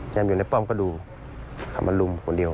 ยามอยู่ในป้อมกระดูกขับมาลุมคนเดียว